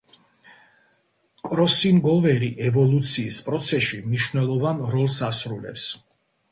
კროსინგოვერი ევოლუციის პროცესში მნიშვნელოვან როლს ასრულებს.